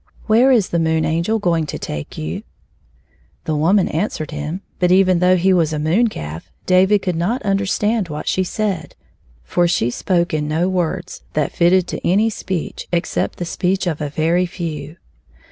" Where is the Moon Angel going to take you ?" The woman answered him, but even though he was a moon calf, David could not understand what she said, for she spoke in no words that fitted to any speech except the speech of a very few.